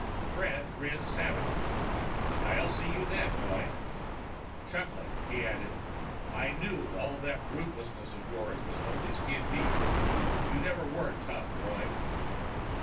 Fred grinned savagely. "I'll see you then, Roy." Chuckling, he added, "I knew all that ruthlessness of yours was just skin deep. You never were tough, Roy."